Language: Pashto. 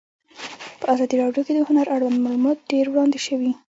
په ازادي راډیو کې د هنر اړوند معلومات ډېر وړاندې شوي.